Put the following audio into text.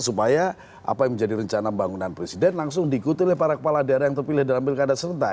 supaya apa yang menjadi rencana pembangunan presiden langsung diikuti oleh para kepala daerah yang terpilih dalam pilkada serentak